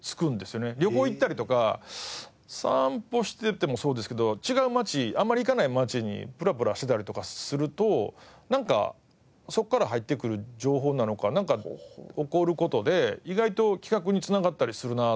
旅行行ったりとか散歩していてもそうですけど違う街あんまり行かない街にぷらぷらしてたりとかするとなんかそこから入ってくる情報なのかなんか起こる事で意外と企画に繋がったりするなって